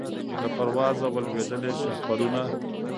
له پروازه وه لوېدلي شهپرونه